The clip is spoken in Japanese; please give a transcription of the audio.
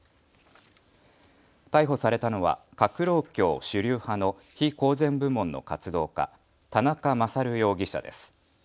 逮捕されたのは革労協主流派の非公然部門の活動家、田中優容疑者です。